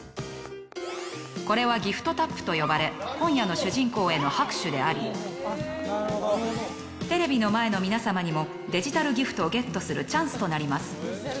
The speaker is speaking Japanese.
これはギフトタップと呼ばれ今夜の主人公への拍手でありテレビの前の皆さまにもデジタルギフトをゲットするチャンスとなります。